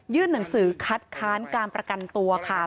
หนังสือคัดค้านการประกันตัวค่ะ